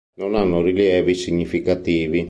Non hanno rilievi significativi.